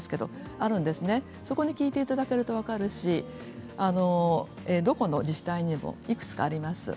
そこに聞いていただければ分かるしどこの自治体にもいくつかあります。